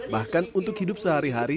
bahkan untuk hidup sehari hari